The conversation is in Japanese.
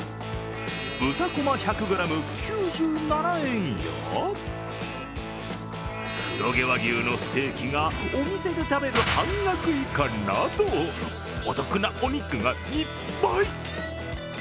豚こま１００ｇ、９７円や黒毛和牛のステーキがお店で食べる半額以下などお得なお肉がいっぱい。